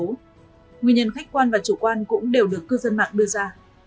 nguyên nhân khách quan và chủ quan cũng đều được cư dân mạng đưa ra